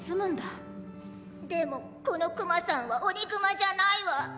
でもこのクマさんはオニグマじゃないわ。